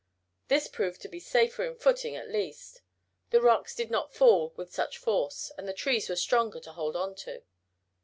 This proved to be safer in footing at least. The rocks did not fall with such force, and the trees were stronger to hold on to.